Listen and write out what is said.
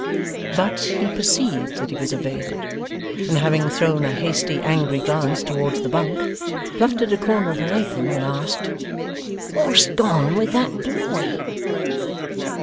But, he perceived that he was evaded, and, having thrown a hasty angry glance towards the bunk, plucked at a corner of her apron and asked: 'What's gone with that boy?